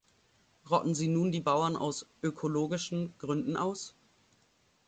Rotten Sie nun die Bauern aus "ökologischen" Gründen aus?